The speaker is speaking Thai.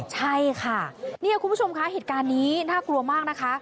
ใช่ค่ะนี่คุณผู้ชมคะเหตุการณ์นี้น่ากลัวมากนะคะ